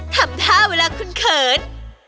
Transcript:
ทำท่าเวลาคุณเขิน